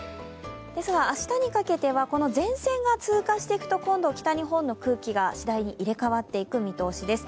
ですが、明日にかけては前線が通過していくと、今度、北日本の空気がしだいに入れ代わっていく見通しです。